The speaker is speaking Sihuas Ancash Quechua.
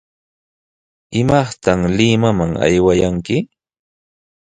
¿Imaqta Limaman aywaykanki?